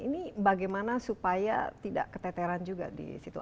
ini bagaimana supaya tidak keteteran juga di situ